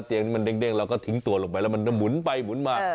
เตียงนี้มันเด้งแล้วก็ทิ้งตัวลงไปแล้วมันจะหมุนไปหมุนมา